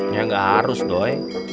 ya nggak harus doi